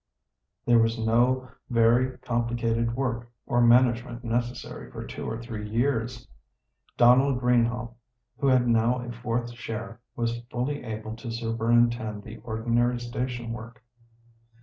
There was no very complicated work or management necessary for two or three years. Donald Greenhaugh, who had now a fourth share, was fully able to superintend the ordinary station work.